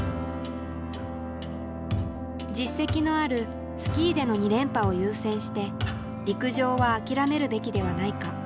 実績のあるスキーでの２連覇を優先して陸上は諦めるべきではないか。